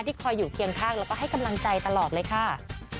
คอยอยู่เคียงข้างแล้วก็ให้กำลังใจตลอดเลยค่ะ